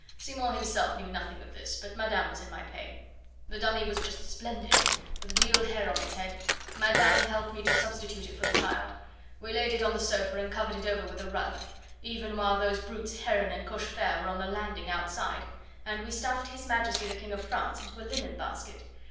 Simon himself knew nothing of this, but Madame was in my pay. The dummy was just splendid, with real hair on its head; Madame helped me to substitute it for the child; we laid it on the sofa and covered it over with a rug, even while those brutes Heron and Cochefer were on the landing outside, and we stuffed His Majesty the King of France into a linen basket.